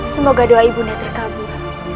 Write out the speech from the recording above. semoga doa ibu nda terkabuh